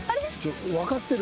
分かってる？